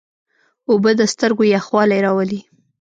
اوبه د سترګو یخوالی راولي.